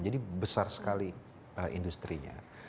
jadi besar sekali industri nya